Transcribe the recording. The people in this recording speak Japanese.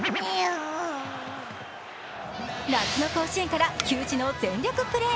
夏の甲子園から球児の全力プレー。